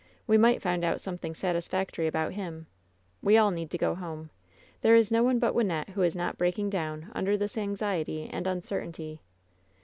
We might find out something satisfactory about him. We all need to go home! There is no one but Wyn nette who is not breaking down under this anxiety and uncertainty!